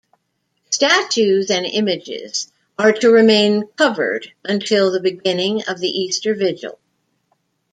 Statues and images are to remain covered until the beginning of the Easter Vigil.